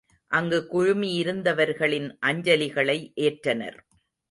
அங்கு குழுமியிருந்தவர்களின் அஞ்சலிகளை ஏற்றனர்.